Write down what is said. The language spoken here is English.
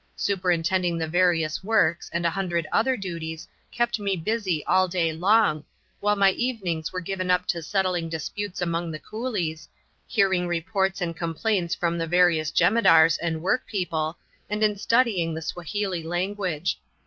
Superintending the various works and a hundred other duties kept me busy all day long, while my evenings were given up to settling disputes among the coolies, hearing reports and complaints from the various jemadars and workpeople, and in studying the Swahili language.